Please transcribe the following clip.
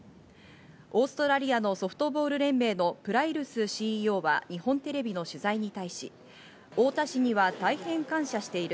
オーストラリアのソフトボール連盟のプライルスＣＥＯは日本テレビの取材に対し、太田市には大変感謝している。